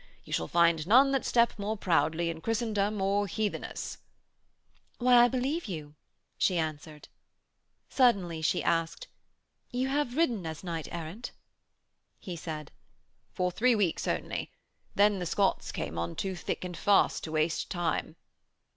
You shall find none that step more proudly in Christendom or Heathenasse.' 'Why, I believe you,' she answered. Suddenly she asked: 'You have ridden as knight errant?' He said: 'For three weeks only. Then the Scots came on too thick and fast to waste time.'